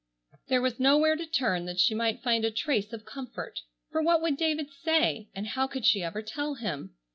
There was nowhere to turn that she might find a trace of comfort. For what would David say, and how could she ever tell him?